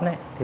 tôi đã tư vấn